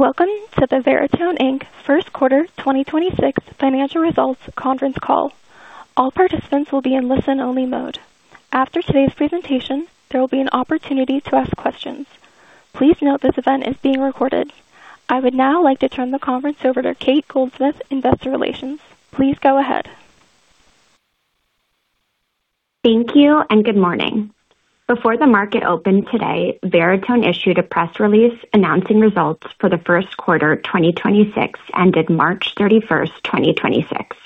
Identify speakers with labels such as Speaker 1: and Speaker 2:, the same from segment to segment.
Speaker 1: Welcome to the Veritone, Inc. First Quarter 2026 Financial Results Conference call. All participants will be in listen-only mode. After today's presentation, there will be an opportunity to ask questions. Please note this event is being recorded. I would now like to turn the conference over to Cate Goldsmith, Investor Relations. Please go ahead.
Speaker 2: Thank you and good morning. Before the market opened today, Veritone issued a press release announcing results for the first quarter 2026 ended March 31st, 2026.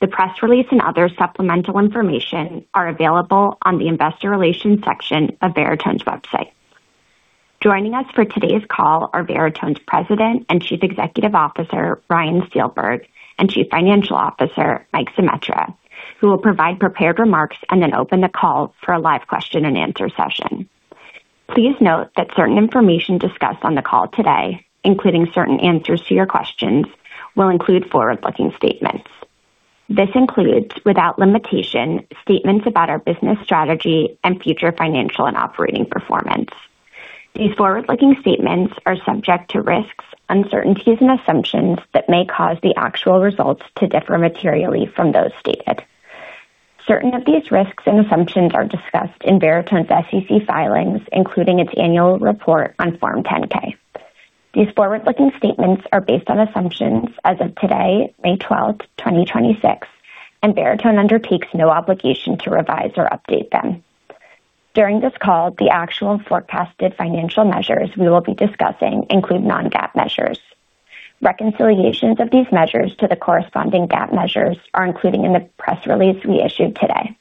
Speaker 2: The press release and other supplemental information are available on the investor relations section of Veritone's website. Joining us for today's call are Veritone's President and Chief Executive Officer, Ryan Steelberg, and Chief Financial Officer, Mike Zemetra, who will provide prepared remarks and then open the call for a live question and answer session. Please note that certain information discussed on the call today, including certain answers to your questions, will include forward-looking statements. This includes, without limitation, statements about our business strategy and future financial and operating performance. These forward-looking statements are subject to risks, uncertainties, and assumptions that may cause the actual results to differ materially from those stated. Certain of these risks and assumptions are discussed in Veritone's SEC filings, including its annual report on Form 10-K. These forward-looking statements are based on assumptions as of today, May 12th, 2026, and Veritone undertakes no obligation to revise or update them. During this call, the actual forecasted financial measures we will be discussing include non-GAAP measures. Reconciliations of these measures to the corresponding GAAP measures are included in the press release we issued today.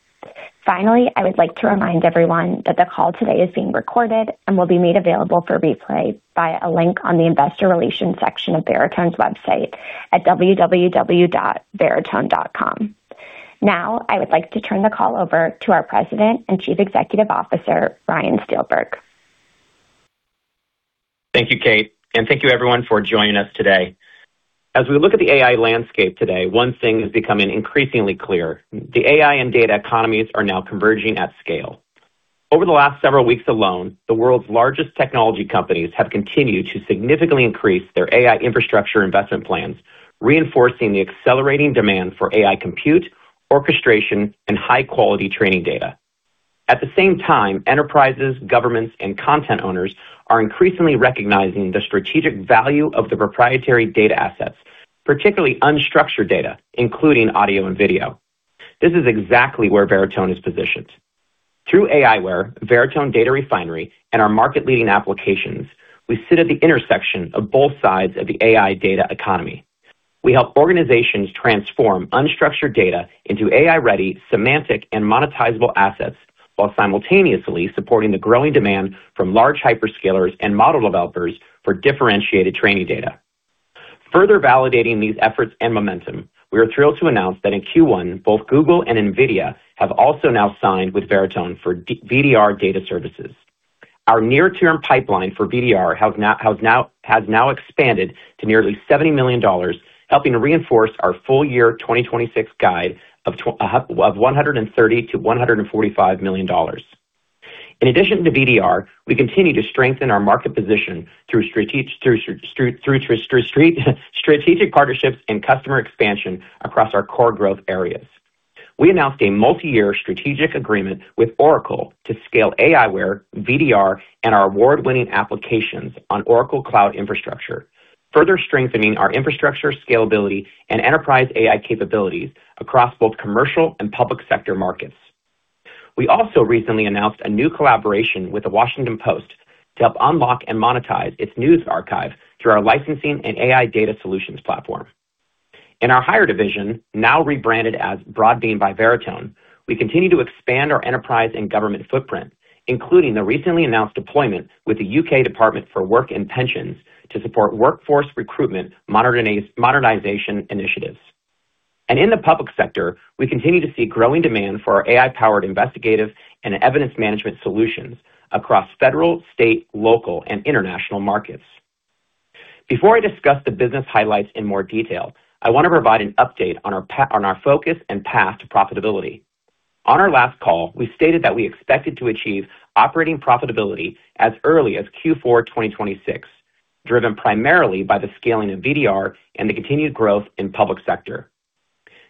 Speaker 2: Finally, I would like to remind everyone that the call today is being recorded and will be made available for replay by a link on the investor relations section of Veritone's website at www.veritone.com. I would like to turn the call over to our President and Chief Executive Officer, Ryan Steelberg.
Speaker 3: Thank you, Cate, and thank you everyone for joining us today. As we look at the AI landscape today, one thing is becoming increasingly clear: the AI and data economies are now converging at scale. Over the last several weeks alone, the world's largest technology companies have continued to significantly increase their AI infrastructure investment plans, reinforcing the accelerating demand for AI compute, orchestration, and high-quality training data. At the same time, enterprises, governments, and content owners are increasingly recognizing the strategic value of the proprietary data assets, particularly unstructured data, including audio and video. This is exactly where Veritone is positioned. Through aiWARE, Veritone Data Refinery, and our market-leading applications, we sit at the intersection of both sides of the AI data economy. We help organizations transform unstructured data into AI-ready, semantic, and monetizable assets, while simultaneously supporting the growing demand from large hyperscalers and model developers for differentiated training data. Further validating these efforts and momentum, we are thrilled to announce that in Q1, both Google and NVIDIA have also now signed with Veritone for VDR data services. Our near-term pipeline for VDR has now expanded to nearly $70 million, helping to reinforce our full year 2026 guide of $130 million-$145 million. In addition to VDR, we continue to strengthen our market position through strategic partnerships and customer expansion across our core growth areas. We announced a multi-year strategic agreement with Oracle to scale aiWARE, VDR, and our award-winning applications on Oracle Cloud Infrastructure, further strengthening our infrastructure scalability and enterprise AI capabilities across both commercial and public sector markets. We also recently announced a new collaboration with The Washington Post to help unlock and monetize its news archive through our licensing and AI data solutions platform. In our Hire division, now rebranded as Broadbean by Veritone, we continue to expand our enterprise and government footprint, including the recently announced deployment with the U.K. Department for Work and Pensions to support workforce recruitment modernization initiatives. In the public sector, we continue to see growing demand for our AI-powered investigative and evidence management solutions across federal, state, local, and international markets. Before I discuss the business highlights in more detail, I want to provide an update on our focus and path to profitability. On our last call, we stated that we expected to achieve operating profitability as early as Q4 2026, driven primarily by the scaling of VDR and the continued growth in public sector.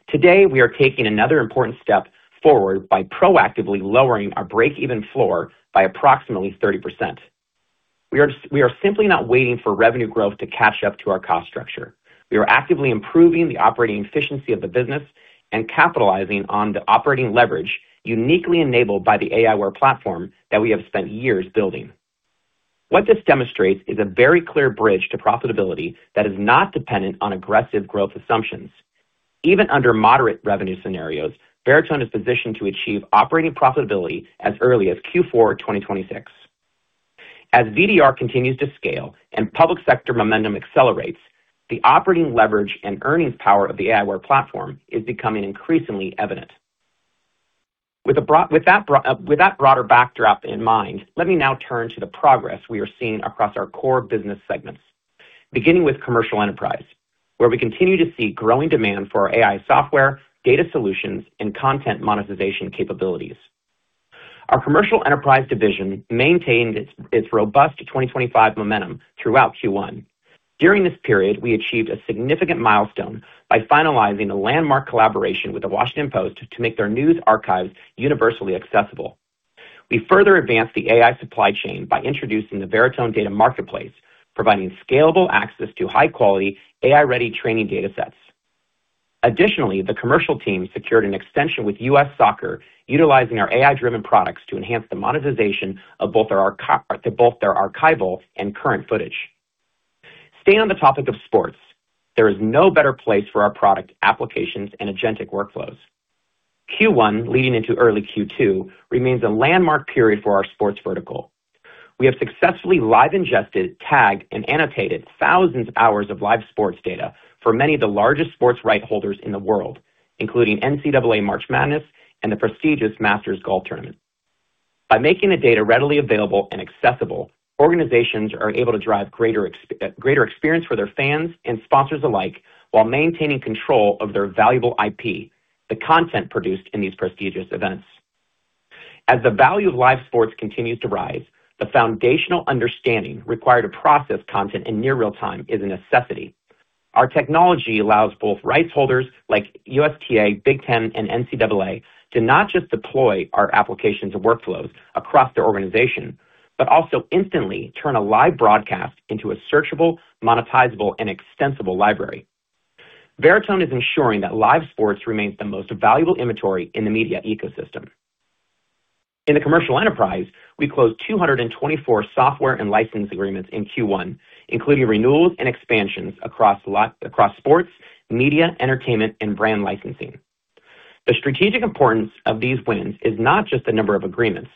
Speaker 3: Today, we are taking another important step forward by proactively lowering our breakeven floor by approximately 30%. We are simply not waiting for revenue growth to catch up to our cost structure. We are actively improving the operating efficiency of the business and capitalizing on the operating leverage uniquely enabled by the aiWARE platform that we have spent years building. What this demonstrates is a very clear bridge to profitability that is not dependent on aggressive growth assumptions. Even under moderate revenue scenarios, Veritone is positioned to achieve operating profitability as early as Q4 2026. As VDR continues to scale and public sector momentum accelerates, the operating leverage and earnings power of the aiWARE platform is becoming increasingly evident. With that broader backdrop in mind, let me now turn to the progress we are seeing across our core business segments. Beginning with commercial enterprise, where we continue to see growing demand for our AI software, data solutions, and content monetization capabilities. Our commercial enterprise division maintained its robust 2025 momentum throughout Q1. During this period, we achieved a significant milestone by finalizing a landmark collaboration with The Washington Post to make their news archives universally accessible. We further advanced the AI supply chain by introducing the Veritone Data Marketplace, providing scalable access to high-quality AI-ready training datasets. Additionally, the commercial team secured an extension with U.S. Soccer, utilizing our AI-driven products to enhance the monetization of both their archival and current footage. Staying on the topic of sports, there is no better place for our product applications and agentic workflows. Q1 leading into early Q2 remains a landmark period for our sports vertical. We have successfully live ingested, tagged, and annotated thousands of hours of live sports data for many of the largest sports rights holders in the world, including NCAA March Madness and the prestigious Masters Tournament. By making the data readily available and accessible, organizations are able to drive greater experience for their fans and sponsors alike while maintaining control of their valuable IP, the content produced in these prestigious events. As the value of live sports continues to rise, the foundational understanding required to process content in near real-time is a necessity. Our technology allows both rights holders like USTA, Big Ten, and NCAA to not just deploy our applications and workflows across their organization, but also instantly turn a live broadcast into a searchable, monetizable, and extensible library. Veritone is ensuring that live sports remains the most valuable inventory in the media ecosystem. In the commercial enterprise, we closed 224 software and license agreements in Q1, including renewals and expansions across sports, media, entertainment, and brand licensing. The strategic importance of these wins is not just the number of agreements,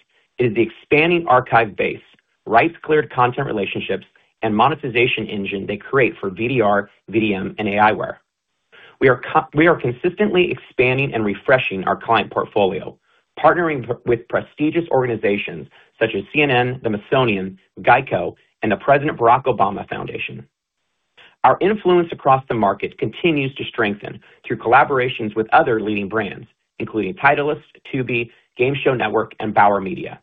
Speaker 3: it is the expanding archive base, rights-cleared content relationships, and monetization engine they create for VDR, VDM, and aiWARE. We are consistently expanding and refreshing our client portfolio, partnering with prestigious organizations such as CNN, the Smithsonian, GEICO, and the President Barack Obama Foundation. Our influence across the market continues to strengthen through collaborations with other leading brands, including Titleist, Tubi, Game Show Network, and Bauer Media.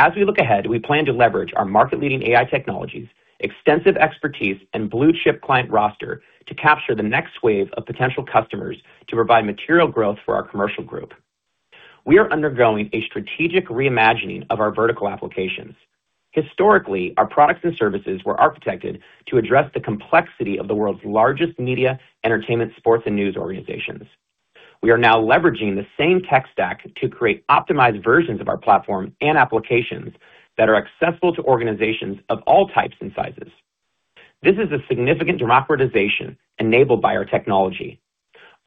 Speaker 3: As we look ahead, we plan to leverage our market-leading AI technologies, extensive expertise, and blue-chip client roster to capture the next wave of potential customers to provide material growth for our commercial group. We are undergoing a strategic reimagining of our vertical applications. Historically, our products and services were architected to address the complexity of the world's largest media, entertainment, sports, and news organizations. We are now leveraging the same tech stack to create optimized versions of our platform and applications that are accessible to organizations of all types and sizes. This is a significant democratization enabled by our technology.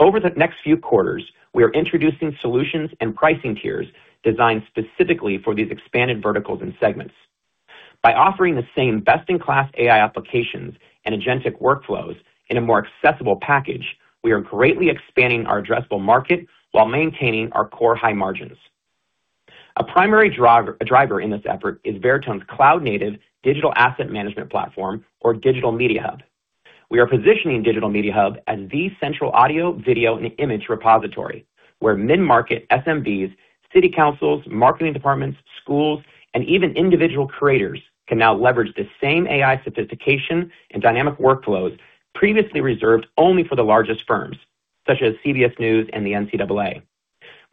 Speaker 3: Over the next few quarters, we are introducing solutions and pricing tiers designed specifically for these expanded verticals and segments. By offering the same best-in-class AI applications and agentic workflows in a more accessible package, we are greatly expanding our addressable market while maintaining our core high margins. A primary driver in this effort is Veritone's cloud-native digital asset management platform or Digital Media Hub. We are positioning Digital Media Hub as the central audio, video, and image repository, where mid-market SMBs, city councils, marketing departments, schools, and even individual creators can now leverage the same AI sophistication and dynamic workflows previously reserved only for the largest firms, such as CBS News and the NCAA.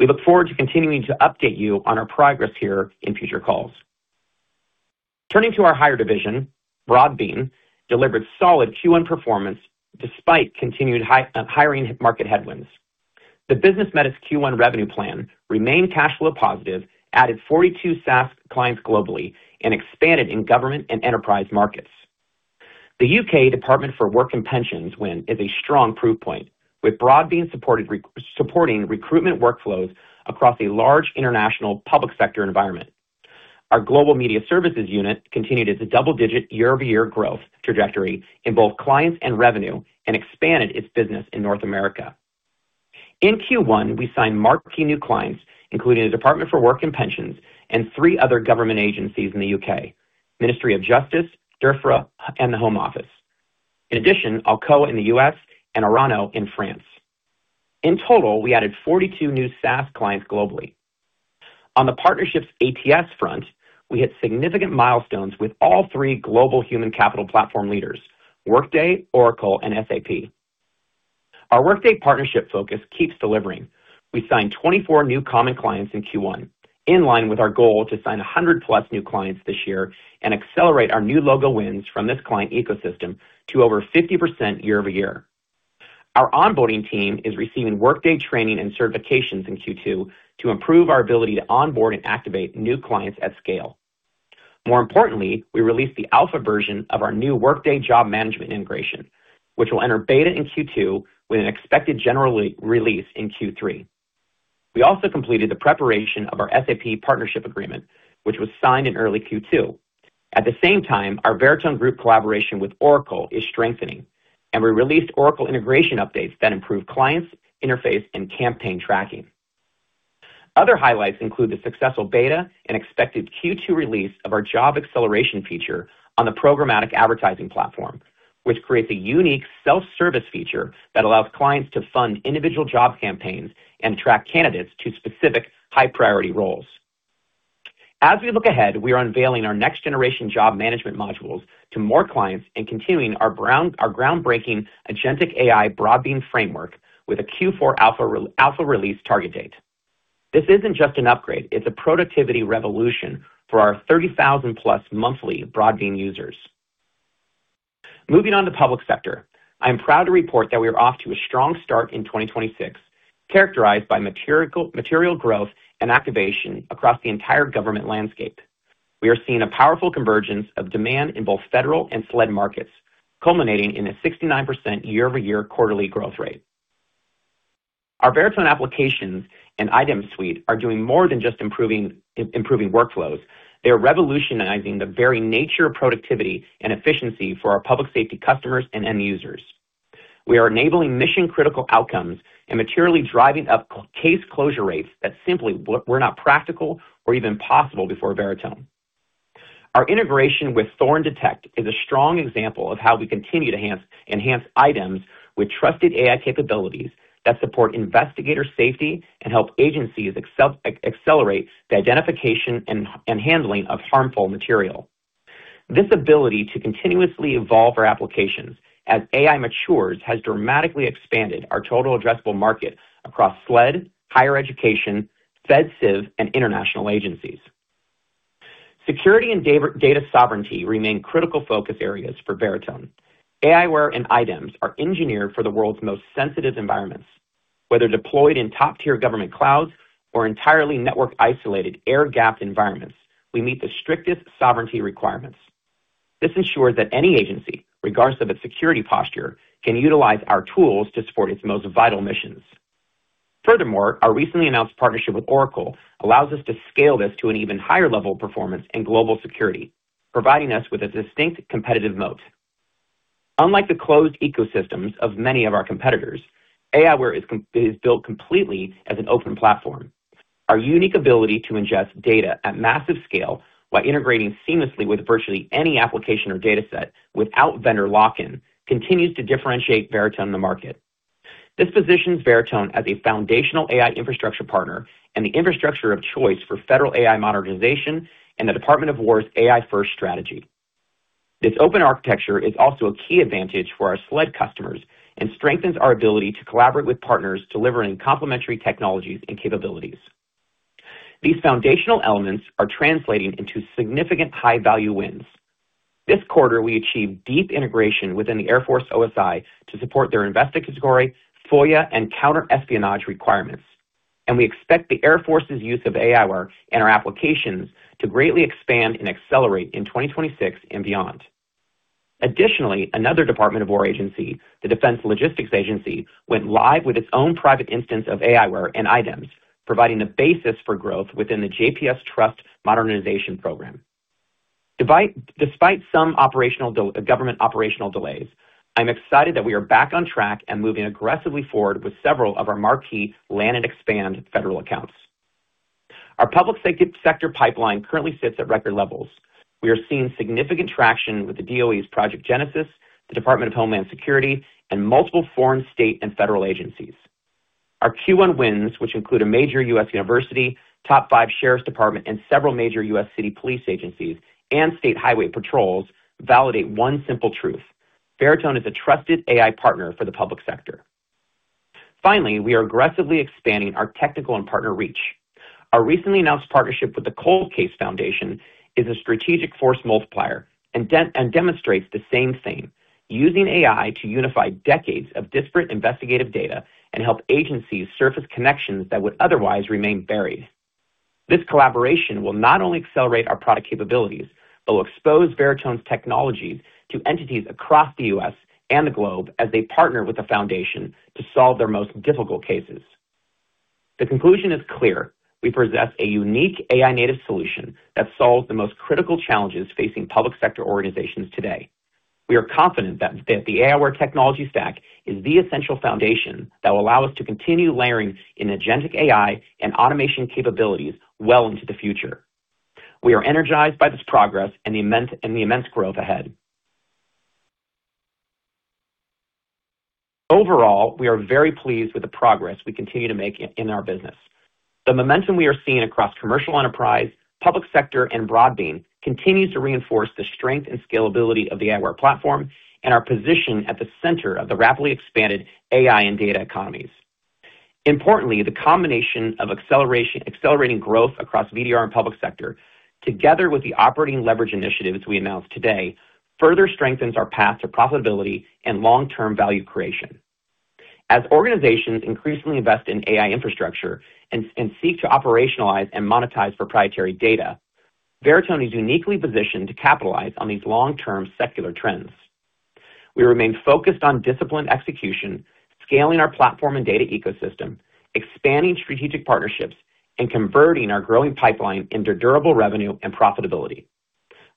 Speaker 3: We look forward to continuing to update you on our progress here in future calls. Turning to our Hire division, Broadbean delivered solid Q1 performance despite continued hiring market headwinds. The business met its Q1 revenue plan, remained cash flow positive, added 42 SaaS clients globally, and expanded in government and enterprise markets. The U.K. Department for Work and Pensions win is a strong proof point, with Broadbean supporting recruitment workflows across a large international public sector environment. Our global media services unit continued its double-digit year-over-year growth trajectory in both clients and revenue and expanded its business in North America. In Q1, we signed marquee new clients, including the Department for Work and Pensions and three other government agencies in the U.K., Ministry of Justice, Defra, and the Home Office. In addition, Alcoa in the U.S. and Orano in France. In total, we added 42 new SaaS clients globally. On the partnerships ATS front, we hit significant milestones with all three global human capital platform leaders, Workday, Oracle, and SAP. Our Workday partnership focus keeps delivering. We signed 24 new common clients in Q1, in line with our goal to sign 100+ new clients this year and accelerate our new logo wins from this client ecosystem to over 50% year-over-year. Our onboarding team is receiving Workday training and certifications in Q2 to improve our ability to onboard and activate new clients at scale. More importantly, we released the alpha version of our new Workday job management integration, which will enter beta in Q2 with an expected general release in Q3. We also completed the preparation of our SAP partnership agreement, which was signed in early Q2. At the same time, our Veritone group collaboration with Oracle is strengthening. We released Oracle integration updates that improve clients, interface, and campaign tracking. Other highlights include the successful beta and expected Q2 release of our job acceleration feature on the programmatic advertising platform, which creates a unique self-service feature that allows clients to fund individual job campaigns and track candidates to specific high-priority roles. We look ahead, we are unveiling our next-generation job management modules to more clients and continuing our groundbreaking agentic AI Broadbean framework with a Q4 alpha release target date. This isn't just an upgrade, it's a productivity revolution for our 30,000 plus monthly Broadbean users. Moving on to public sector. I am proud to report that we are off to a strong start in 2026, characterized by material growth and activation across the entire government landscape. We are seeing a powerful convergence of demand in both federal and SLED markets, culminating in a 69% year-over-year quarterly growth rate. Our Veritone applications and iDEMS suite are doing more than just improving workflows. They are revolutionizing the very nature of productivity and efficiency for our public safety customers and end users. We are enabling mission-critical outcomes and materially driving up case closure rates that simply were not practical or even possible before Veritone. Our integration with Thorn Detect is a strong example of how we continue to enhance iDEMS with trusted AI capabilities that support investigator safety and help agencies accelerate the identification and handling of harmful material. This ability to continuously evolve our applications as AI matures has dramatically expanded our total addressable market across SLED, higher education, FedCiv, and international agencies. Security and data sovereignty remain critical focus areas for Veritone. aiWARE and iDEMS are engineered for the world's most sensitive environments. Whether deployed in top-tier government clouds or entirely network-isolated air-gapped environments, we meet the strictest sovereignty requirements. This ensures that any agency, regardless of its security posture, can utilize our tools to support its most vital missions. Our recently announced partnership with Oracle allows us to scale this to an even higher level of performance and global security, providing us with a distinct competitive moat. Unlike the closed ecosystems of many of our competitors, aiWARE is built completely as an open platform. Our unique ability to ingest data at massive scale while integrating seamlessly with virtually any application or data set without vendor lock-in continues to differentiate Veritone in the market. This positions Veritone as a foundational AI infrastructure partner and the infrastructure of choice for federal AI modernization and the Department of War's AI-first strategy. This open architecture is also a key advantage for our SLED customers and strengthens our ability to collaborate with partners delivering complementary technologies and capabilities. These foundational elements are translating into significant high-value wins. This quarter, we achieved deep integration within the Air Force OSI to support their investigator, FOIA, and counter-espionage requirements. We expect the Air Force's use of aiWARE and our applications to greatly expand and accelerate in 2026 and beyond. Additionally, another Department of War agency, the Defense Logistics Agency, went live with its own private instance of aiWARE and iDEMS, providing the basis for growth within the JPS TRUST Modernization Program. Despite some government operational delays, I'm excited that we are back on track and moving aggressively forward with several of our marquee land and expand federal accounts. Our public sector pipeline currently sits at record levels. We are seeing significant traction with the DOE's Project Genesis, the Department of Homeland Security, and multiple foreign state and federal agencies. Our Q1 wins, which include a major U.S. university, top five sheriff's department, and several major U.S. city police agencies and state highway patrols, validate one simple truth: Veritone is a trusted AI partner for the public sector. Finally, we are aggressively expanding our technical and partner reach. Our recently announced partnership with the Cold Case Foundation is a strategic force multiplier and demonstrates the same thing, using AI to unify decades of disparate investigative data and help agencies surface connections that would otherwise remain buried. This collaboration will not only accelerate our product capabilities, but will expose Veritone's technologies to entities across the U.S. and the globe as they partner with the foundation to solve their most difficult cases. The conclusion is clear. We possess a unique AI-native solution that solves the most critical challenges facing public sector organizations today. We are confident that the aiWARE technology stack is the essential foundation that will allow us to continue layering in agentic AI and automation capabilities well into the future. We are energized by this progress and the immense growth ahead. Overall, we are very pleased with the progress we continue to make in our business. The momentum we are seeing across commercial enterprise, public sector, and Broadbean continues to reinforce the strength and scalability of the aiWARE platform and our position at the center of the rapidly expanded AI and data economies. Importantly, the combination of accelerating growth across VDR and public sector, together with the operating leverage initiatives we announced today, further strengthens our path to profitability and long-term value creation. As organizations increasingly invest in AI infrastructure and seek to operationalize and monetize proprietary data, Veritone is uniquely positioned to capitalize on these long-term secular trends. We remain focused on disciplined execution, scaling our platform and data ecosystem, expanding strategic partnerships, and converting our growing pipeline into durable revenue and profitability.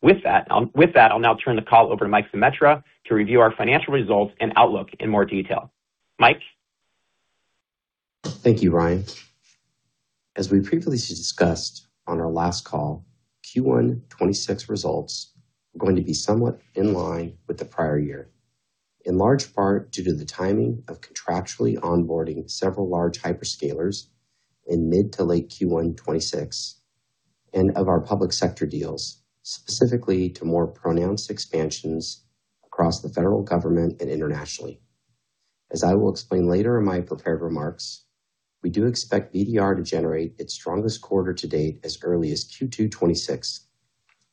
Speaker 3: With that, I'll now turn the call over to Mike Zemetra to review our financial results and outlook in more detail. Mike?
Speaker 4: Thank you, Ryan. As we previously discussed on our last call, Q1 2026 results are going to be somewhat in line with the prior year, in large part due to the timing of contractually onboarding several large hyperscalers in mid to late Q1 2026 and of our public sector deals, specifically to more pronounced expansions across the federal government and internationally. As I will explain later in my prepared remarks, we do expect VDR to generate its strongest quarter to date as early as Q2 2026,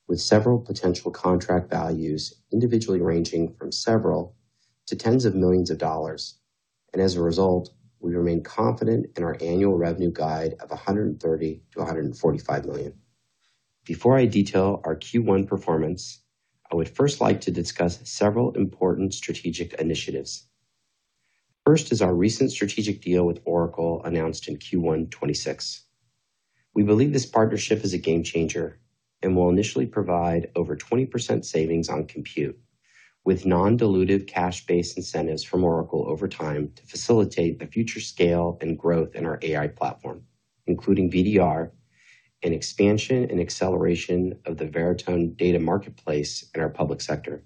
Speaker 4: with several potential contract values individually ranging from several to tens of millions of dollars. As a result, we remain confident in our annual revenue guide of $130 million-$145 million. Before I detail our Q1 performance, I would first like to discuss several important strategic initiatives. First is our recent strategic deal with Oracle announced in Q1 2026. We believe this partnership is a game changer and will initially provide over 20% savings on compute with non-dilutive cash-based incentives from Oracle over time to facilitate the future scale and growth in our AI platform, including VDR and expansion and acceleration of the Veritone Data Marketplace in our public sector.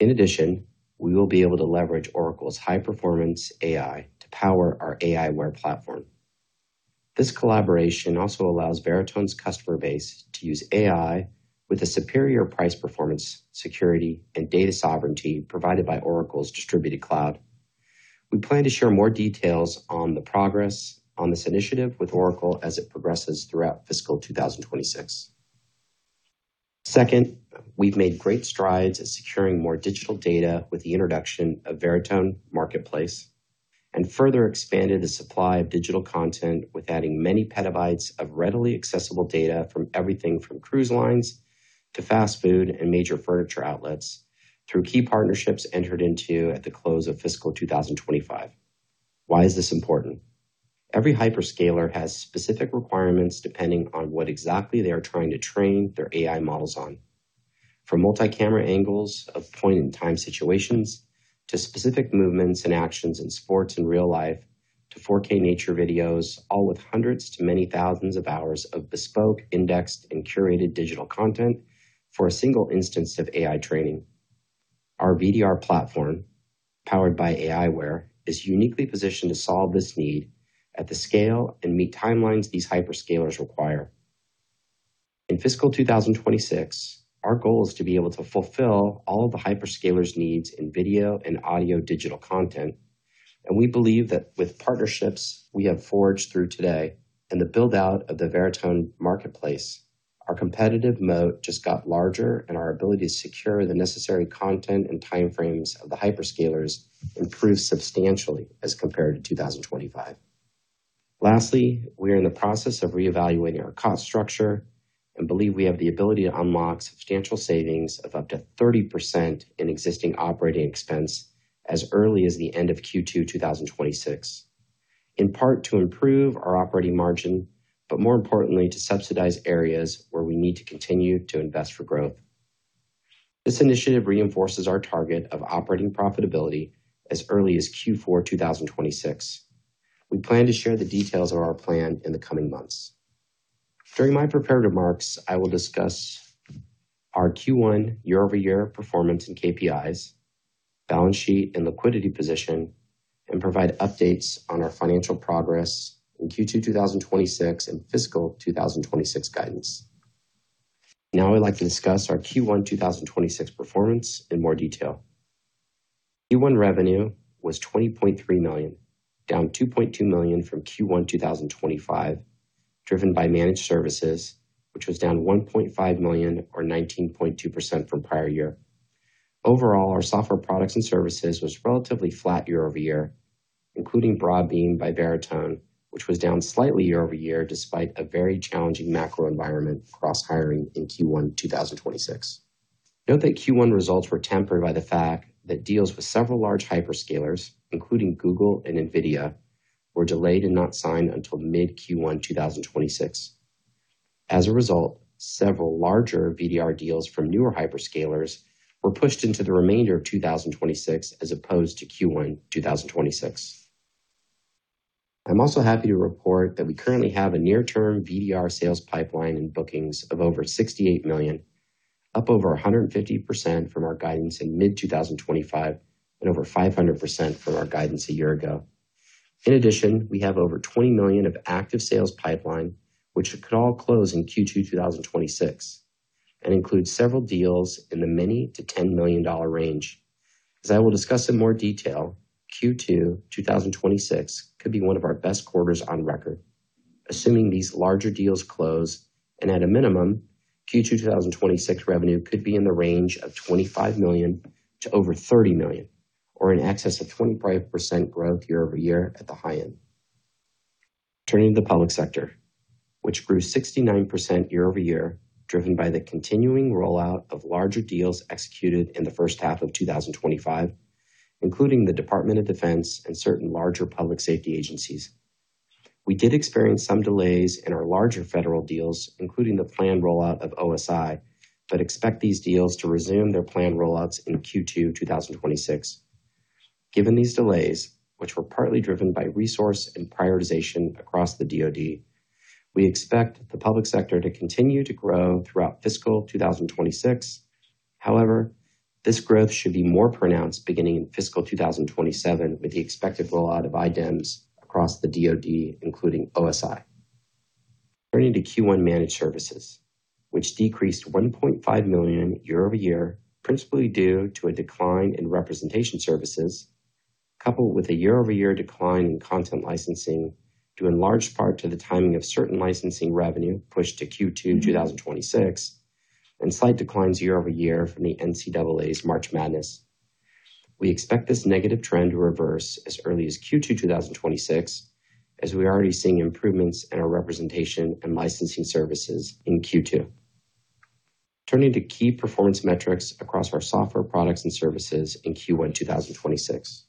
Speaker 4: In addition, we will be able to leverage Oracle's high-performance AI to power our aiWARE platform. This collaboration also allows Veritone's customer base to use AI with the superior price performance, security, and data sovereignty provided by Oracle's distributed cloud. We plan to share more details on the progress on this initiative with Oracle as it progresses throughout fiscal 2026. We've made great strides at securing more digital data with the introduction of Veritone Data Marketplace and further expanded the supply of digital content with adding many petabytes of readily accessible data from everything from cruise lines to fast food and major furniture outlets through key partnerships entered into at the close of fiscal 2025. Why is this important? Every hyperscaler has specific requirements depending on what exactly they are trying to train their AI models on. From multi-camera angles of point-in-time situations to specific movements and actions in sports and real life, to 4K nature videos, all with hundreds to many thousands of hours of bespoke, indexed, and curated digital content for a single instance of AI training. Our VDR platform, powered by aiWARE, is uniquely positioned to solve this need at the scale and meet timelines these hyperscalers require. In fiscal 2026, our goal is to be able to fulfill all of the hyperscalers' needs in video and audio digital content. We believe that with partnerships we have forged through today and the build-out of the Veritone marketplace, our competitive moat just got larger, and our ability to secure the necessary content and time frames of the hyperscalers improved substantially as compared to 2025. Lastly, we are in the process of reevaluating our cost structure and believe we have the ability to unlock substantial savings of up to 30% in existing operating expense as early as the end of Q2 2026, in part to improve our operating margin, but more importantly, to subsidize areas where we need to continue to invest for growth. This initiative reinforces our target of operating profitability as early as Q4 2026. We plan to share the details of our plan in the coming months. During my prepared remarks, I will discuss our Q1 year-over-year performance and KPIs, balance sheet, and liquidity position, and provide updates on our financial progress in Q2 2026 and fiscal 2026 guidance. I'd like to discuss our Q1 2026 performance in more detail. Q1 revenue was $20.3 million, down $2.2 million from Q1 2025, driven by managed services, which was down $1.5 million or 19.2% from prior year. Overall, our software products and services was relatively flat year-over-year, including Broadbean by Veritone, which was down slightly year-over-year despite a very challenging macro environment across hiring in Q1 2026. Note that Q1 results were tempered by the fact that deals with several large hyperscalers, including Google and NVIDIA, were delayed and not signed until mid Q1 2026. A result, several larger VDR deals from newer hyperscalers were pushed into the remainder of 2026 as opposed to Q1 2026. I'm also happy to report that we currently have a near-term VDR sales pipeline and bookings of over $68 million, up over 150% from our guidance in mid 2025 and over 500% from our guidance a year ago. In addition, we have over $20 million of active sales pipeline, which could all close in Q2 2026 and includes several deals in the many to $10 million range. As I will discuss in more detail, Q2 2026 could be one of our best quarters on record, assuming these larger deals close, and at a minimum, Q2 2026 revenue could be in the range of $25 million to over $30 million or in excess of 25% growth year-over-year at the high end. Turning to the public sector, which grew 69% year-over-year, driven by the continuing rollout of larger deals executed in the first half of 2025, including the Department of Defense and certain larger public safety agencies. We did experience some delays in our larger federal deals, including the planned rollout of OSI. Expect these deals to resume their planned rollouts in Q2 2026. Given these delays, which were partly driven by resource and prioritization across the DoD, we expect the public sector to continue to grow throughout fiscal 2026. This growth should be more pronounced beginning in fiscal 2027 with the expected rollout of iDEMS across the DoD, including OSI. Turning to Q1 managed services, which decreased $1.5 million year-over-year, principally due to a decline in representation services, coupled with a year-over-year decline in content licensing due in large part to the timing of certain licensing revenue pushed to Q2 2026, and slight declines year-over-year from the NCAA's March Madness. We expect this negative trend to reverse as early as Q2 2026, as we are already seeing improvements in our representation and licensing services in Q2. Turning to key performance metrics across our software products and services in Q1 2026.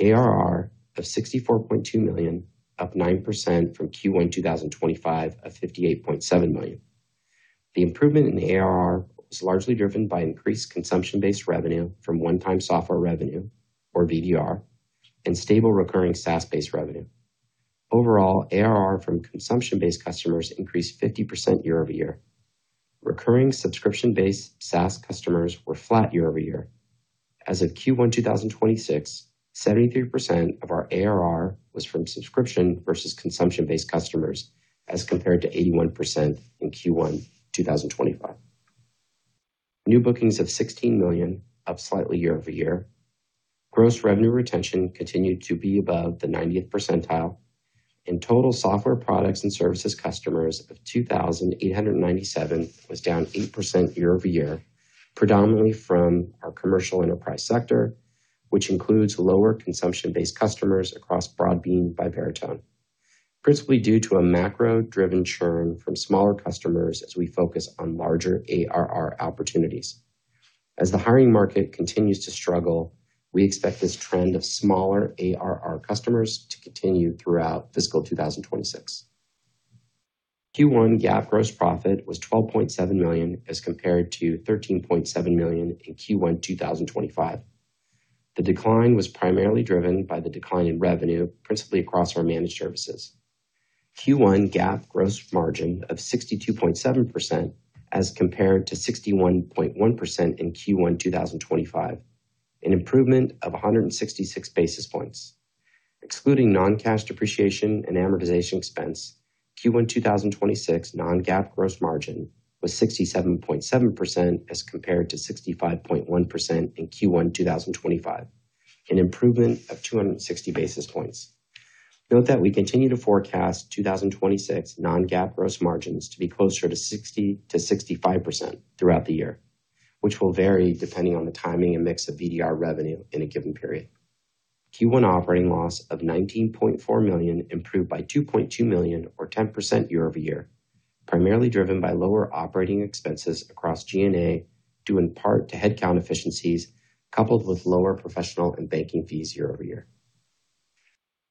Speaker 4: ARR of $64.2 million, up 9% from Q1 2025 of $58.7 million. The improvement in ARR was largely driven by increased consumption-based revenue from one-time software revenue or VDR, and stable recurring SaaS-based revenue. Overall, ARR from consumption-based customers increased 50% year-over-year. Recurring subscription-based SaaS customers were flat year-over-year. As of Q1 2026, 73% of our ARR was from subscription versus consumption-based customers as compared to 81% in Q1 2025. New bookings of $16 million, up slightly year-over-year. Gross revenue retention continued to be above the 90th percentile. Total software products and services customers of 2,897 was down 8% year-over-year, predominantly from our commercial enterprise sector, which includes lower consumption-based customers across Broadbean by Veritone, principally due to a macro-driven churn from smaller customers as we focus on larger ARR opportunities. As the hiring market continues to struggle, we expect this trend of smaller ARR customers to continue throughout fiscal 2026. Q1 GAAP gross profit was $12.7 million as compared to $13.7 million in Q1 2025. The decline was primarily driven by the decline in revenue, principally across our managed services. Q1 GAAP gross margin of 62.7% as compared to 61.1% in Q1 2025, an improvement of 166 basis points. Excluding non-cash depreciation and amortization expense, Q1 2026 non-GAAP gross margin was 67.7% as compared to 65.1% in Q1 2025, an improvement of 260 basis points. Note that we continue to forecast 2026 non-GAAP gross margins to be closer to 60%-65% throughout the year, which will vary depending on the timing and mix of VDR revenue in a given period. Q1 operating loss of $19.4 million improved by $2.2 million or 10% year-over-year, primarily driven by lower operating expenses across G&A due in part to headcount efficiencies coupled with lower professional and banking fees year-over-year.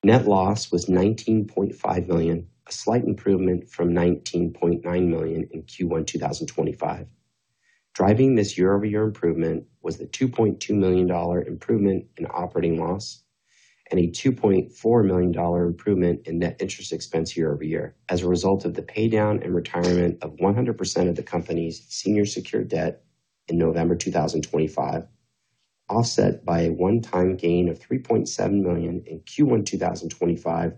Speaker 4: Net loss was $19.5 million, a slight improvement from $19.9 million in Q1 2025. Driving this year-over-year improvement was the $2.2 million improvement in operating loss and a $2.4 million improvement in net interest expense year-over-year as a result of the paydown and retirement of 100% of the company's senior secured debt in November 2025, offset by a one-time gain of $3.7 million in Q1 2025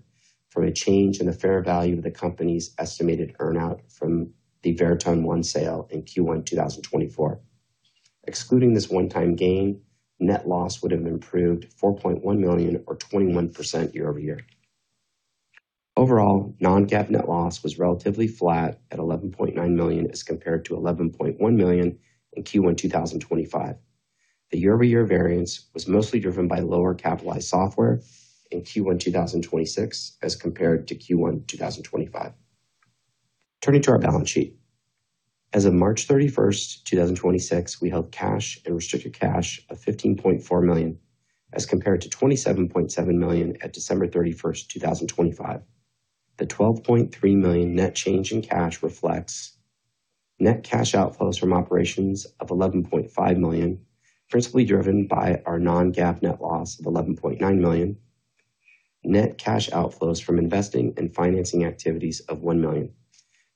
Speaker 4: from a change in the fair value of the company's estimated earn out from the Veritone One sale in Q1 2024. Excluding this one-time gain, net loss would have improved $4.1 million or 21% year-over-year. Overall, non-GAAP net loss was relatively flat at $11.9 million as compared to $11.1 million in Q1 2025. The year-over-year variance was mostly driven by lower capitalized software in Q1 2026 as compared to Q1 2025. Turning to our balance sheet. As of March 31st, 2026, we held cash and restricted cash of $15.4 million as compared to $27.7 million at December 31st, 2025. The $12.3 million net change in cash reflects net cash outflows from operations of $11.5 million, principally driven by our non-GAAP net loss of $11.9 million. Net cash outflows from investing and financing activities of $1 million,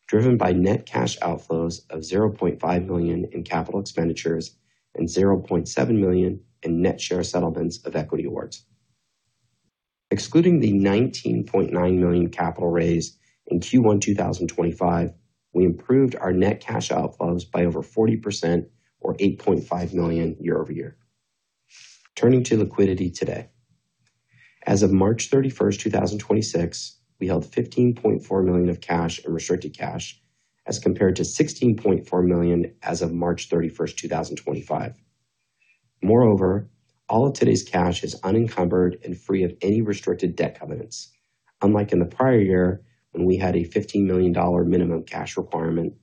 Speaker 4: driven by net cash outflows of $0.5 million in capital expenditures and $0.7 million in net share settlements of equity awards. Excluding the $19.9 million capital raise in Q1 2025, we improved our net cash outflows by over 40% or $8.5 million year-over-year. Turning to liquidity today. As of March 31st, 2026, we held $15.4 million of cash and restricted cash as compared to $16.4 million as of March 31st, 2025. Moreover, all of today's cash is unencumbered and free of any restricted debt covenants, unlike in the prior year when we had a $15 million minimum cash requirement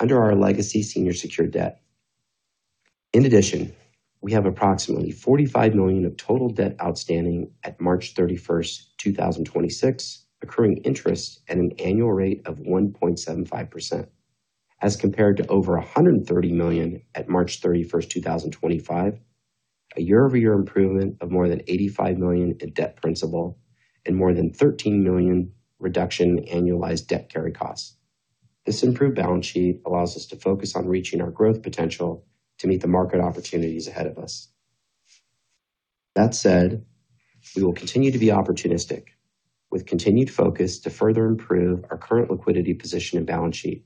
Speaker 4: under our legacy senior secured debt. In addition, we have approximately $45 million of total debt outstanding at March 31st, 2026, accruing interest at an annual rate of 1.75%, as compared to over $130 million at March 31st, 2025, a year-over-year improvement of more than $85 million in debt principal and more than $13 million reduction in annualized debt carry costs. This improved balance sheet allows us to focus on reaching our growth potential to meet the market opportunities ahead of us. That said, we will continue to be opportunistic with continued focus to further improve our current liquidity position and balance sheet,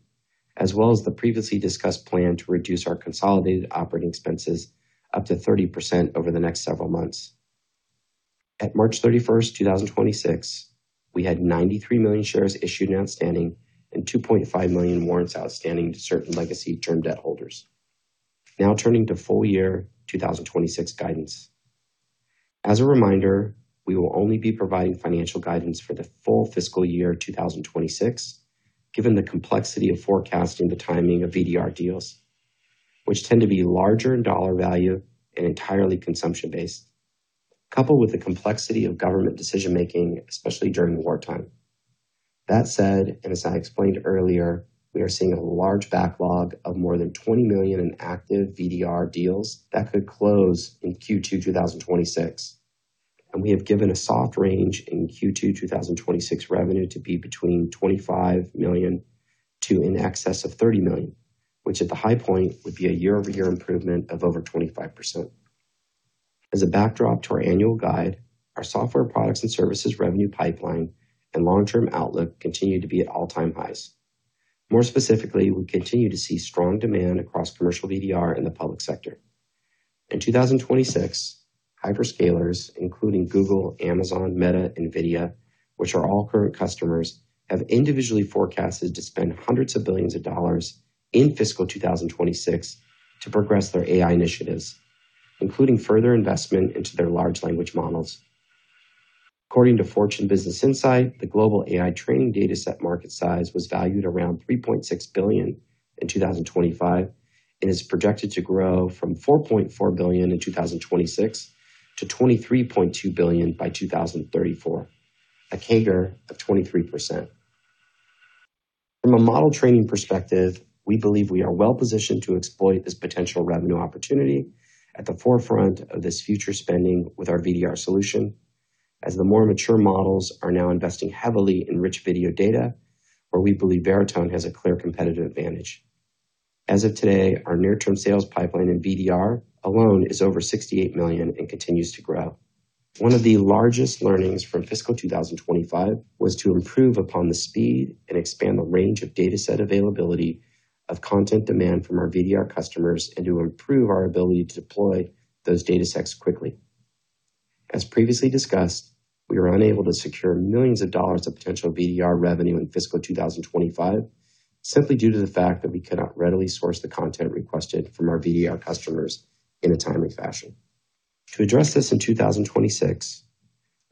Speaker 4: as well as the previously discussed plan to reduce our consolidated operating expenses up to 30% over the next several months. At March 31st, 2026, we had 93 million shares issued and outstanding and 2.5 million warrants outstanding to certain legacy term debt holders. Turning to full year 2026 guidance. As a reminder, we will only be providing financial guidance for the full fiscal year 2026, given the complexity of forecasting the timing of VDR deals, which tend to be larger in dollar value and entirely consumption-based, coupled with the complexity of government decision-making, especially during wartime. That said, and as I explained earlier, we are seeing a large backlog of more than $20 million in active VDR deals that could close in Q2 2026, and we have given a soft range in Q2 2026 revenue to be between $25 million to in excess of $30 million, which at the high point would be a year-over-year improvement of over 25%. As a backdrop to our annual guide, our software products and services revenue pipeline and long-term outlook continue to be at all-time highs. More specifically, we continue to see strong demand across commercial VDR in the public sector. In 2026, hyperscalers, including Google, Amazon, Meta, NVIDIA, which are all current customers, have individually forecasted to spend hundreds of billions of dollars in fiscal 2026 to progress their AI initiatives, including further investment into their large language models. According to Fortune Business Insights, the global AI training data set market size was valued around $3.6 billion in 2025 and is projected to grow from $4.4 billion in 2026 to $23.2 billion by 2034, a CAGR of 23%. From a model training perspective, we believe we are well-positioned to exploit this potential revenue opportunity at the forefront of this future spending with our VDR solution as the more mature models are now investing heavily in rich video data where we believe Veritone has a clear competitive advantage. As of today, our near-term sales pipeline in VDR alone is over $68 million and continues to grow. One of the largest learnings from fiscal 2025 was to improve upon the speed and expand the range of data set availability of content demand from our VDR customers and to improve our ability to deploy those data sets quickly. As previously discussed, we were unable to secure millions of dollars of potential VDR revenue in fiscal 2025 simply due to the fact that we cannot readily source the content requested from our VDR customers in a timely fashion. To address this in 2026,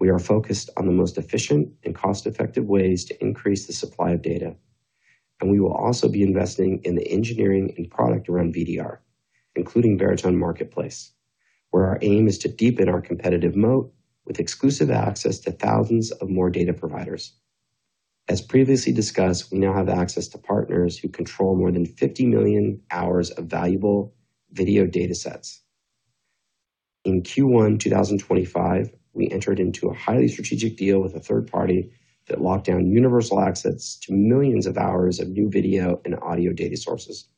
Speaker 4: we are focused on the most efficient and cost-effective ways to increase the supply of data, and we will also be investing in the engineering and product around VDR, including Veritone Data Marketplace, where our aim is to deepen our competitive moat with exclusive access to thousands of more data providers. As previously discussed, we now have access to partners who control more than 50 million hours of valuable video data sets. In Q1 2025, we entered into a highly strategic deal with a third party that locked down universal access to millions of hours of new video and audio data sources,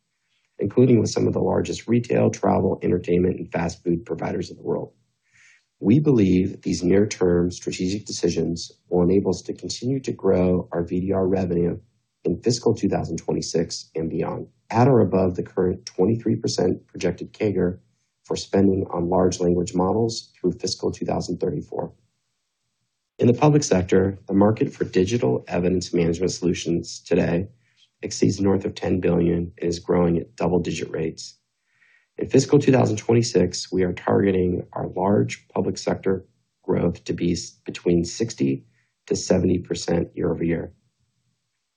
Speaker 4: including with some of the largest retail, travel, entertainment, and fast-food providers in the world. We believe these near-term strategic decisions will enable us to continue to grow our VDR revenue in fiscal 2026 and beyond at or above the current 23% projected CAGR for spending on large language models through fiscal 2034. In the public sector, the market for digital evidence management solutions today exceeds north of $10 billion and is growing at double-digit rates. In fiscal 2026, we are targeting our large public sector growth to be between 60%-70% year-over-year.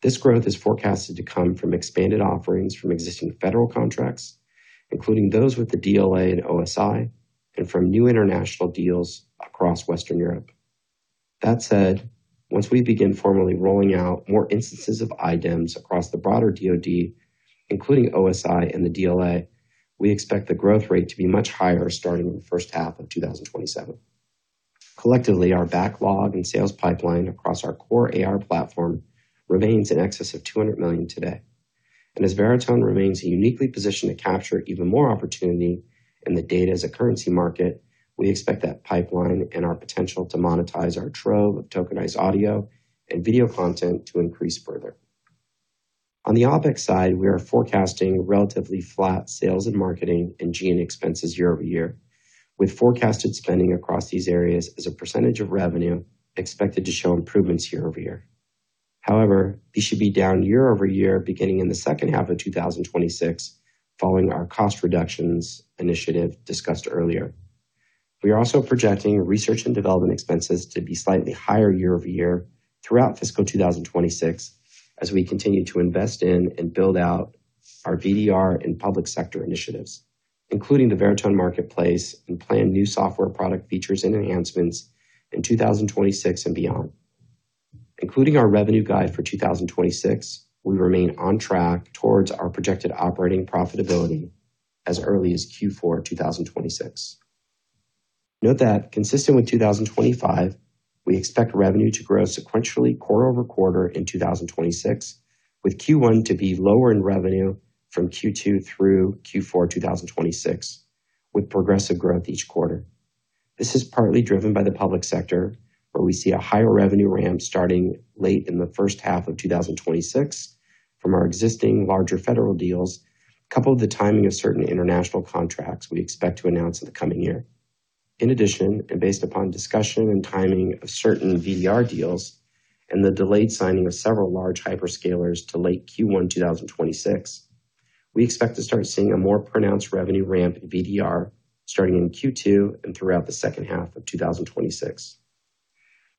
Speaker 4: This growth is forecasted to come from expanded offerings from existing federal contracts, including those with the DLA and OSI, and from new international deals across Western Europe. That said, once we begin formally rolling out more instances of iDEMS across the broader DoD, including OSI and the DLA, we expect the growth rate to be much higher starting in the first half of 2027. Collectively, our backlog and sales pipeline across our core aiWARE platform remains in excess of $200 million today. As Veritone remains uniquely positioned to capture even more opportunity in the data as a currency market, we expect that pipeline and our potential to monetize our trove of tokenized audio and video content to increase further. On the OpEx side, we are forecasting relatively flat sales and marketing and G&A expenses year-over-year, with forecasted spending across these areas as a percentage of revenue expected to show improvements year-over-year. However, these should be down year-over-year beginning in the second half of 2026 following our cost reductions initiative discussed earlier. We are also projecting research and development expenses to be slightly higher year-over-year throughout fiscal 2026 as we continue to invest in and build out our VDR and public sector initiatives, including the Veritone Data Marketplace and plan new software product features and enhancements in 2026 and beyond. Including our revenue guide for 2026, we remain on track towards our projected operating profitability as early as Q4 2026. Note that consistent with 2025, we expect revenue to grow sequentially quarter-over-quarter in 2026, with Q1 to be lower in revenue from Q2 through Q4 2026, with progressive growth each quarter. This is partly driven by the public sector, where we see a higher revenue ramp starting late in the first half of 2026 from our existing larger federal deals, coupled with the timing of certain international contracts we expect to announce in the coming year. In addition, and based upon discussion and timing of certain VDR deals and the delayed signing of several large hyperscalers to late Q1, 2026, we expect to start seeing a more pronounced revenue ramp in VDR starting in Q2 and throughout the second half of 2026.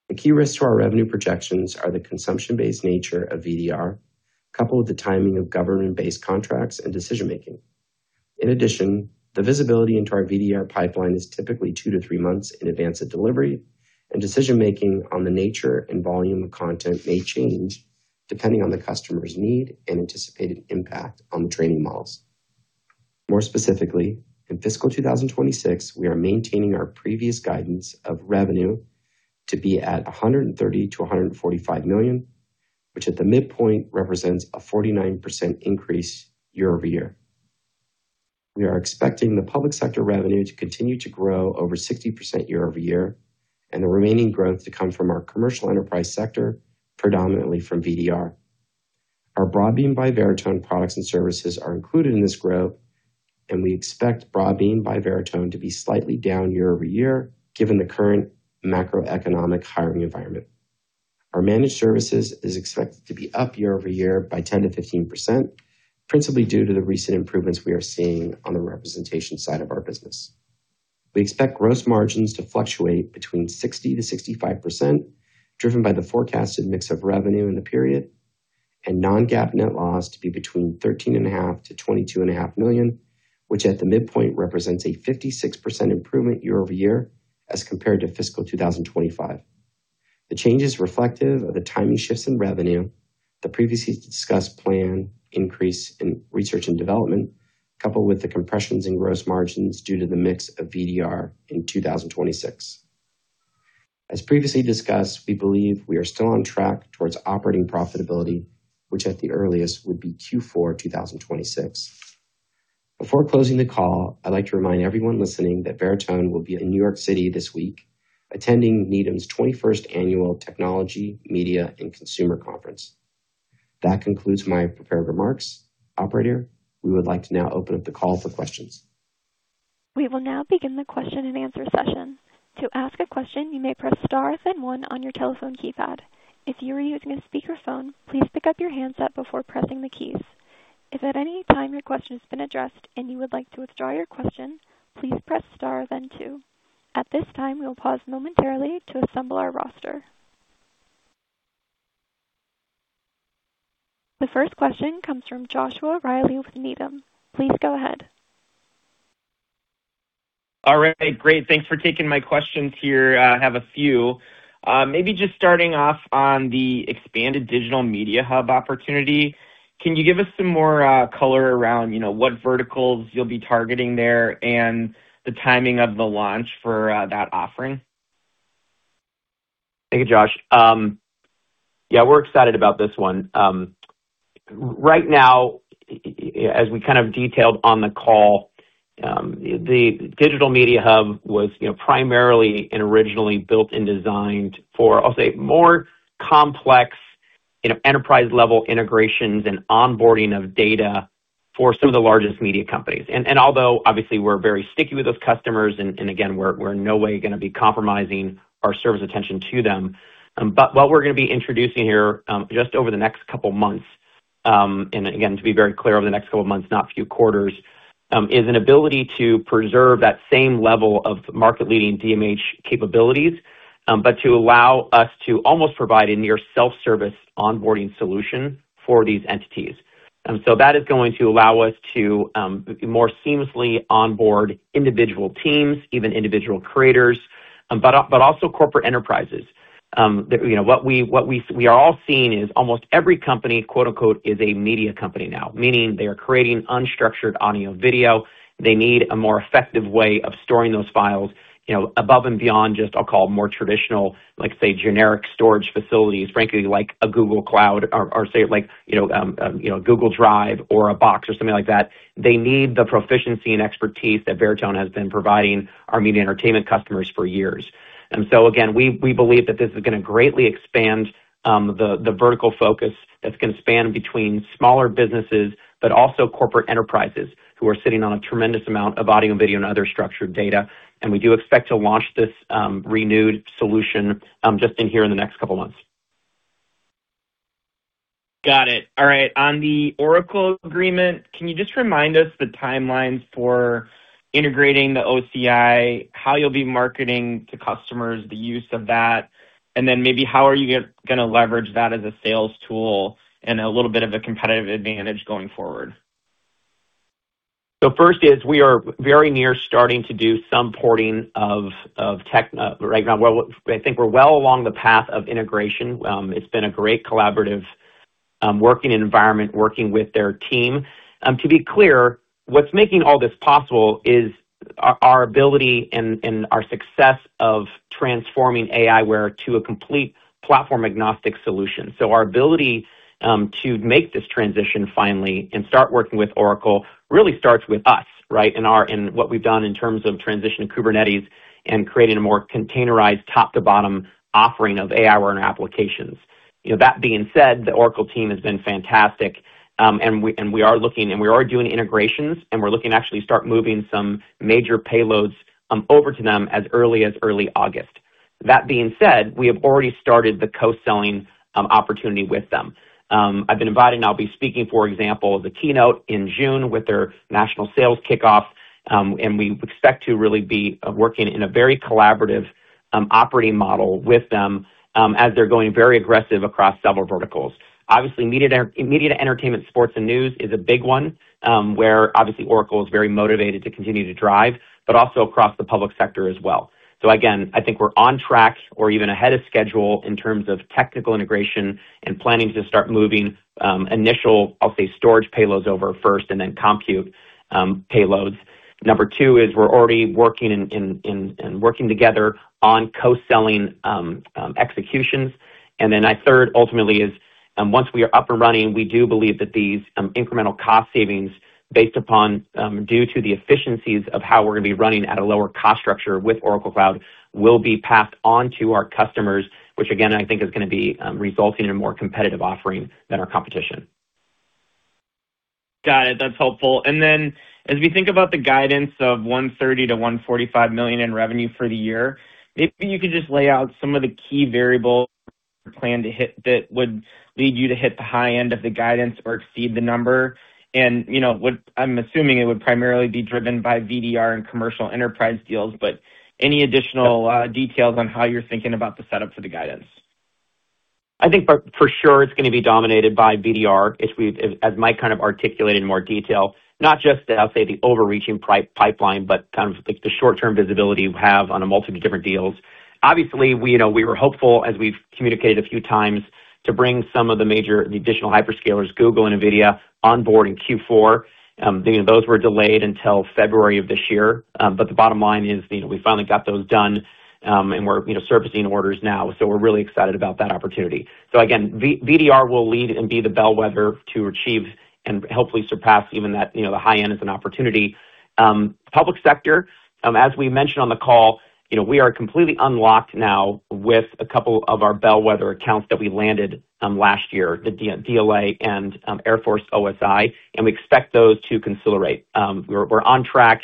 Speaker 4: The key risks to our revenue projections are the consumption-based nature of VDR, coupled with the timing of government-based contracts and decision-making. The visibility into our VDR pipeline is typically two to three months in advance of delivery, and decision-making on the nature and volume of content may change depending on the customer's need and anticipated impact on the training models. In fiscal 2026, we are maintaining our previous guidance of revenue to be at $130 million-$145 million, which at the midpoint represents a 49% increase year-over-year. We are expecting the public sector revenue to continue to grow over 60% year-over-year and the remaining growth to come from our commercial enterprise sector, predominantly from VDR. Our Broadbean by Veritone products and services are included in this growth, and we expect Broadbean by Veritone to be slightly down year-over-year, given the current macroeconomic hiring environment. Our managed services is expected to be up year-over-year by 10%-15%, principally due to the recent improvements we are seeing on the representation side of our business. We expect gross margins to fluctuate between 60%-65%, driven by the forecasted mix of revenue in the period, and non-GAAP net loss to be between $13.5 million-$22.5 million, which at the midpoint represents a 56% improvement year-over-year as compared to fiscal 2025. The change is reflective of the timing shifts in revenue, the previously discussed plan increase in research and development, coupled with the compressions in gross margins due to the mix of VDR in 2026. As previously discussed, we believe we are still on track towards operating profitability, which at the earliest would be Q4 2026. Before closing the call, I'd like to remind everyone listening that Veritone will be in New York City this week attending Needham's 21st Annual Technology, Media, & Consumer Conference. That concludes my prepared remarks. Operator, we would like to now open up the call for questions.
Speaker 1: We will now begin the question-and-answer session. To ask a question, you may press star then one on your telephone keypad. If you are using a speakerphone, please pick up your handset before pressing the keys. If at any time your question has been addressed and you would like to withdraw your question, please press star then two. At this time, we will pause momentarily to assemble our roster. The first question comes from Joshua Reilly with Needham. Please go ahead.
Speaker 5: All right, great. Thanks for taking my questions here. I have a few. Maybe just starting off on the expanded Digital Media Hub opportunity. Can you give us some more color around, you know, what verticals you'll be targeting there and the timing of the launch for that offering?
Speaker 3: Thank you, Josh. Yeah, we're excited about this one. Right now, as we kind of detailed on the call, the Digital Media Hub was, you know, primarily and originally built and designed for, I'll say, more complex, you know, enterprise-level integrations and onboarding of data for some of the largest media companies. Although obviously we're very sticky with those customers, and again, we're in no way gonna be compromising our service attention to them. What we're gonna be introducing here, just over the next couple of months, and again, to be very clear, over the next couple of months, not a few quarters, is an ability to preserve that same level of market-leading DMH capabilities, but to allow us to almost provide a near self-service onboarding solution for these entities. That is going to allow us to more seamlessly onboard individual teams, even individual creators, but also corporate enterprises. you know, what we are all seeing is almost every company, quote-unquote, "Is a media company now." Meaning they are creating unstructured audio-video. They need a more effective way of storing those files, you know, above and beyond just, I'll call it more traditional, like say, generic storage facilities, frankly, like a Google Cloud or say like, you know, Google Drive or a Box or something like that. They need the proficiency and expertise that Veritone has been providing our media entertainment customers for years. Again, we believe that this is gonna greatly expand, the vertical focus that's gonna span between smaller businesses but also corporate enterprises who are sitting on a tremendous amount of audio and video and other structured data. We do expect to launch this, renewed solution, just in here in the next couple of months.
Speaker 5: Got it. All right. On the Oracle agreement, can you just remind us the timeline for integrating the OCI, how you'll be marketing to customers the use of that, and then maybe how are you gonna leverage that as a sales tool and a little bit of a competitive advantage going forward?
Speaker 3: First is we are very near starting to do some porting of tech. I think we're well along the path of integration. It's been a great collaborative working environment, working with their team. To be clear, what's making all this possible is our ability and our success of transforming aiWARE to a complete platform-agnostic solution. Our ability to make this transition finally and start working with Oracle really starts with us, right? What we've done in terms of transitioning Kubernetes and creating a more containerized top to bottom offering of AI applications. You know, that being said, the Oracle team has been fantastic, and we are looking, and we are doing integrations, and we're looking to actually start moving some major payloads over to them as early as early August. That being said, we have already started the co-selling opportunity with them. I've been invited, and I'll be speaking, for example, the keynote in June with their national sales kickoff, and we expect to really be working in a very collaborative operating model with them, as they're going very aggressive across several verticals. Obviously, media to entertainment, sports, and news is a big one, where obviously Oracle is very motivated to continue to drive, but also across the public sector as well. Again, I think we're on track or even ahead of schedule in terms of technical integration and planning to start moving initial, I'll say, storage payloads over first and then compute payloads. Number two is we're already working and working together on co-selling executions. Third, ultimately is, once we are up and running, we do believe that these, incremental cost savings based upon, due to the efficiencies of how we're gonna be running at a lower cost structure with Oracle Cloud will be passed on to our customers, which again, I think is gonna be, resulting in a more competitive offering than our competition.
Speaker 5: Got it. That's helpful. As we think about the guidance of $130 million-$145 million in revenue for the year, maybe you could just lay out some of the key variables you plan to hit that would lead you to hit the high end of the guidance or exceed the number. You know, I'm assuming it would primarily be driven by VDR and commercial enterprise deals, but any additional details on how you're thinking about the setup for the guidance?
Speaker 3: I think for sure it's going to be dominated by VDR, as Mike kind of articulated in more detail. Not just, I'll say, the overreaching pipeline, but kind of the short-term visibility we have on a multitude of different deals. Obviously, we, you know, we were hopeful, as we've communicated a few times, to bring some of the major, the additional hyperscalers, Google and NVIDIA, on board in Q4. You know, those were delayed until February of this year. The bottom line is, you know, we finally got those done, and we're, you know, servicing orders now. We're really excited about that opportunity. Again, VDR will lead and be the bellwether to achieve and hopefully surpass even that, you know, the high end as an opportunity. Public sector, as we mentioned on the call, you know, we are completely unlocked now with a couple of our bellwether accounts that we landed last year, the DLA and Air Force OSI, and we expect those to consolidate. We're on track.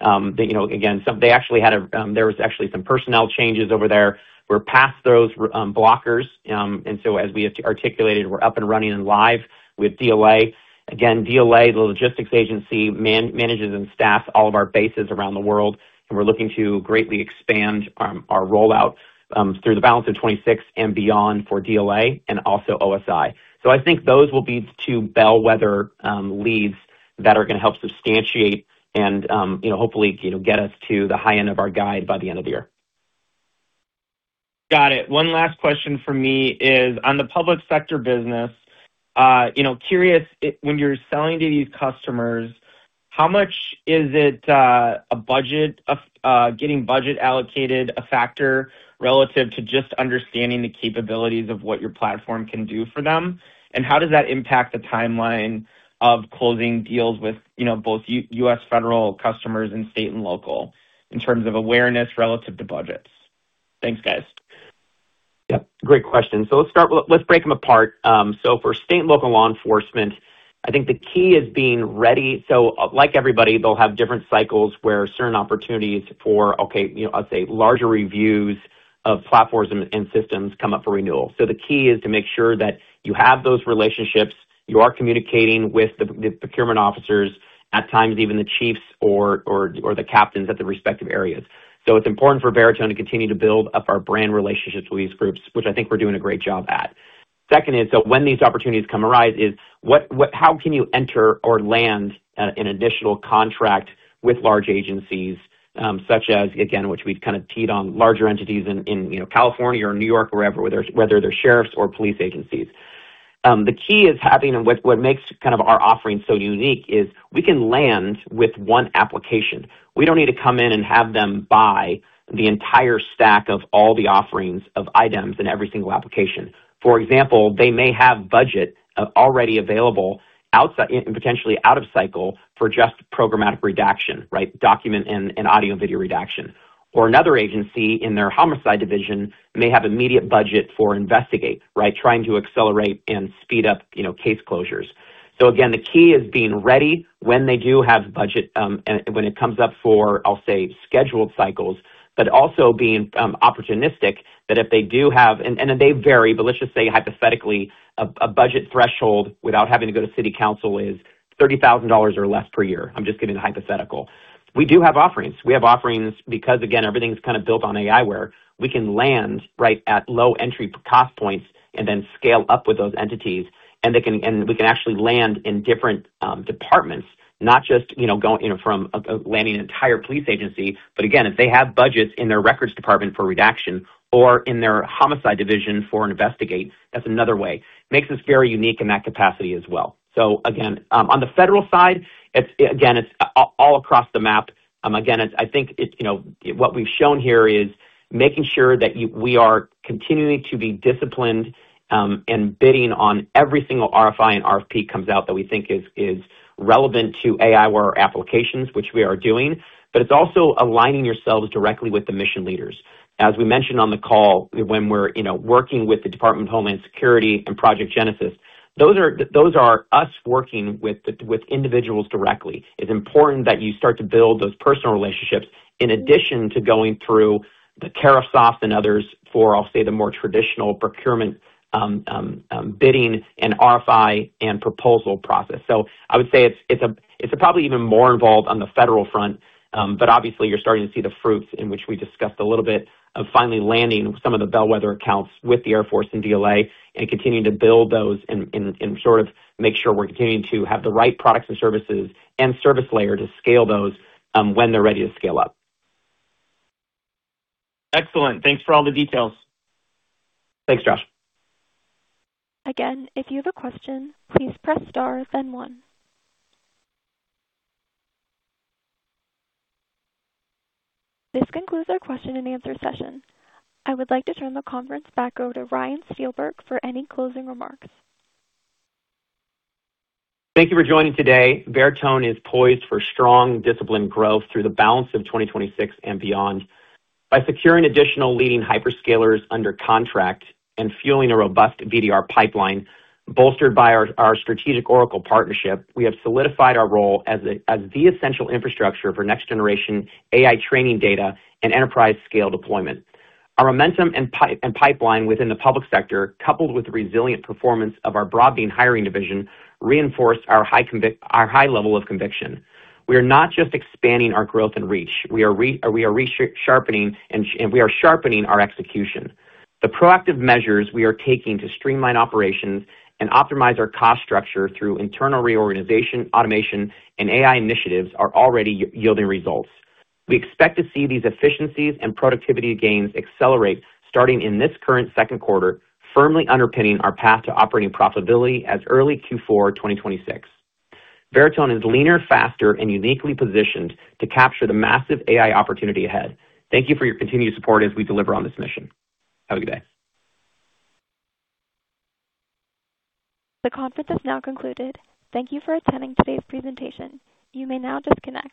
Speaker 3: You know, again, they actually had a there was actually some personnel changes over there. We're past those blockers. As we articulated, we're up and running and live with DLA. Again, DLA, the logistics agency, manages and staffs all of our bases around the world, and we're looking to greatly expand our rollout through the balance of 2026 and beyond for DLA and also OSI. I think those will be two bellwether leads that are going to help substantiate and, you know, hopefully, you know, get us to the high end of our guide by the end of the year.
Speaker 5: Got it. One last question from me is on the public sector business, you know, curious, when you're selling to these customers, how much is it getting budget allocated a factor relative to just understanding the capabilities of what your platform can do for them? How does that impact the timeline of closing deals with, you know, both U.S. federal customers and state and local in terms of awareness relative to budgets? Thanks, guys.
Speaker 3: Yeah, great question. Let's break them apart. For state and local law enforcement, I think the key is being ready. Like everybody, they'll have different cycles where certain opportunities for, okay, you know, let's say larger reviews of platforms and systems come up for renewal. The key is to make sure that you have those relationships, you are communicating with the procurement officers, at times even the chiefs or the captains at the respective areas. It's important for Veritone to continue to build up our brand relationships with these groups, which I think we're doing a great job at. Second is, when these opportunities come arise is how can you enter or land an additional contract with large agencies, such as, again, which we've kind of teed on larger entities in, you know, California or New York or wherever, whether they're sheriffs or police agencies. The key is having what makes kind of our offering so unique is we can land with one application. We don't need to come in and have them buy the entire stack of all the offerings of iDEMS in every single application. For example, they may have budget already available outside and potentially out of cycle for just Programmatic Redaction, right? Document and audio-video Redaction. Another agency in their homicide division may have immediate budget for Investigate, right? Trying to accelerate and speed up, you know, case closures. Again, the key is being ready when they do have budget, and when it comes up for, I'll say, scheduled cycles, but also being opportunistic that if they do have, and they vary, but let's just say hypothetically a budget threshold without having to go to city council is $30,000 or less per year. I'm just giving a hypothetical. We do have offerings. We have offerings because again, everything's kind of built on aiWARE we can land right at low entry cost points and then scale up with those entities, and we can actually land in different departments, not just, you know, go, you know, from a landing an entire police agency. Again, if they have budgets in their records department for redaction or in their homicide division for an Investigate, that's another way. Makes us very unique in that capacity as well. Again, on the federal side, it's again, it's all across the map. Again, it's, I think it's, you know, what we've shown here is making sure that we are continuing to be disciplined in bidding on every single RFI and RFP comes out that we think is relevant to AI or our applications, which we are doing. It's also aligning yourselves directly with the mission leaders. As we mentioned on the call, when we're, you know, working with the Department of Homeland Security and Project Genesis, those are us working with the individuals directly. It's important that you start to build those personal relationships in addition to going through the Carahsoft and others for, I'll say, the more traditional procurement, bidding and RFI and proposal process. I would say it's a, it's probably even more involved on the federal front. Obviously you're starting to see the fruits in which we discussed a little bit of finally landing some of the bellwether accounts with the Air Force and DLA and continuing to build those and sort of make sure we're continuing to have the right products and services and service layer to scale those when they're ready to scale up.
Speaker 5: Excellent. Thanks for all the details.
Speaker 3: Thanks, Josh.
Speaker 1: Again, if you have a question, please press star then one. This concludes our question-and-answer session. I would like to turn the conference back over to Ryan Steelberg for any closing remarks.
Speaker 3: Thank you for joining today. Veritone is poised for strong disciplined growth through the balance of 2026 and beyond. By securing additional leading hyperscalers under contract and fueling a robust VDR pipeline, bolstered by our strategic Oracle partnership, we have solidified our role as the essential infrastructure for next generation AI training data and enterprise scale deployment. Our momentum and pipeline within the public sector, coupled with the resilient performance of our Broadbean hiring division, reinforced our high level of conviction. We are not just expanding our growth and reach, we are resharpening and we are sharpening our execution. The proactive measures we are taking to streamline operations and optimize our cost structure through internal reorganization, automation, and AI initiatives are already yielding results. We expect to see these efficiencies and productivity gains accelerate starting in this current second quarter, firmly underpinning our path to operating profitability as early Q4 2026. Veritone is leaner, faster, and uniquely positioned to capture the massive AI opportunity ahead. Thank you for your continued support as we deliver on this mission. Have a good day.
Speaker 1: The conference is now concluded. Thank you for attending today's presentation. You may now disconnect.